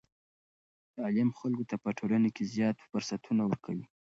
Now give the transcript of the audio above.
تعلیم خلکو ته په ټولنه کې زیاتو فرصتونو ورکوي.